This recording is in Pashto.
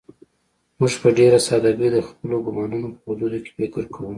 موږ په ډېره سادهګۍ د خپلو ګومانونو په حدودو کې فکر کوو.